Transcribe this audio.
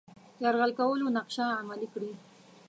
یرغل کولو نقشه عملي کړي.